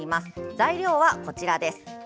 材料は、こちらです。